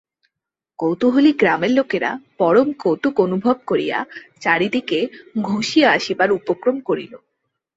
কৌতূহলী গ্রামের লোকেরা পরম কৌতুক অনুভব করিয়া চারি দিকে ঘোঁষিয়া আসিবার উপক্রম করিল।